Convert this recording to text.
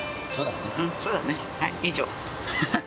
はい以上。